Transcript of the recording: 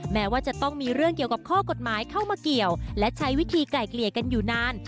แม้ว่าจะต้องมีเรื่องเกี่ยวกับข้อกฎหมายเข้ามาเกี่ยวและใช้วิธีไกล่เกลี่ยกันอยู่นาน